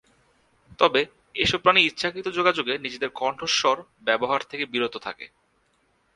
তবে এসব প্রাণী ইচ্ছাকৃত যোগাযোগে নিজেদের কণ্ঠস্বর ব্যবহার থেকে বিরত থাকে।